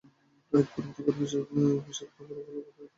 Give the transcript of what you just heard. আইন পরিবর্তন করে বিষাক্ত প্রকল্পকে পরিবেশবান্ধব করা হচ্ছে।